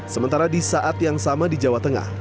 sementara di saat yang sama di jawa tengah